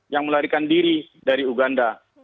yang melarikan diri dari uganda